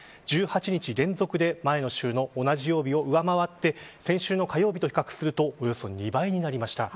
１８日連続で、前の週の同じ曜日を上回って先週の火曜日と比較するとおよそ２倍になりました。